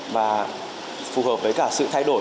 và phù hợp với cả sự thay đổi